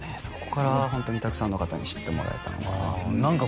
そこからホントにたくさんの方に知ってもらえたのかな